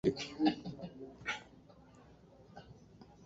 Kati yao alichagua Mitume wake kumi na mbili